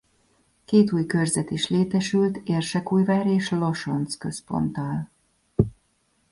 Két új körzet is létesült Érsekújvár és Losonc központtal.